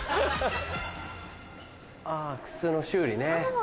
あ靴の修理ね。